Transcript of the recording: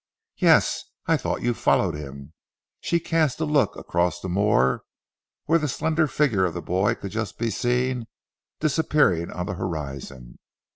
"Yes! I thought you followed him," she cast a look across the moor where the slender figure of the boy could just be seen disappearing on the horizon.